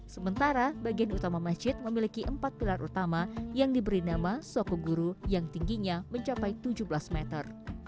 sementara bagian utama masjid memiliki empat pilar utama yang diberi nama sokoguru yang tingginya mencapai tujuh belas meter